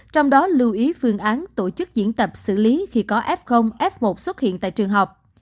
trong đó lưu ý phương án tổ chức diễn tập xử lý khi có f f một xuất hiện tại trường học